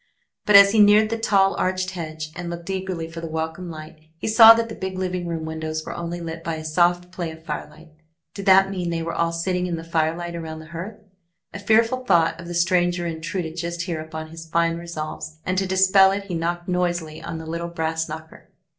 But as he neared the tall arched hedge, and looked eagerly for the welcome light, he saw that the big living room windows were only lit by a soft play of firelight. Did that mean they were all sitting in the firelight around the hearth? A fearful thought of the stranger intruded just here upon his fine resolves, and to dispel it he knocked noisily on the little brass knocker.